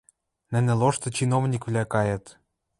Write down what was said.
Нӹнӹ лошты чиновниквлӓ кайыт.